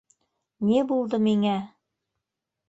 Ни булды миңә?